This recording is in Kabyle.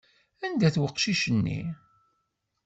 Anda-t weqcic-nni?